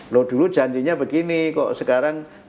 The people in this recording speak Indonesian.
loh dulu janjinya begini kok sekarang